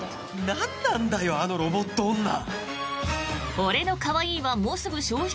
何なんだよ、あのロボット女。